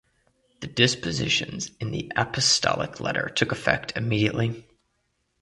The dispositions in the apostolic letter took effect immediately.